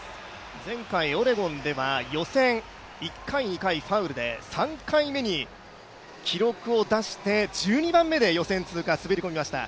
前回、オレゴンでは予選１回、２回ファウルで３回目に記録を出して１２番目に予選通過、滑り込みました。